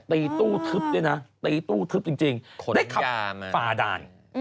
ตีตู้ทึบด้วยนะตีตู้ทึบจริงได้ขับฝ่าด่าน